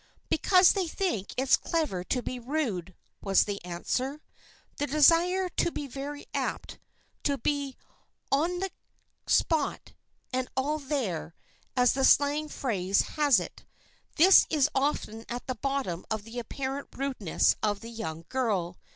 "Because they think it's clever to be rude," was the answer. The desire to be very apt, to be "on the spot" and "all there," as the slang phrase has it,—this is often at the bottom of the apparent rudeness of the young girl.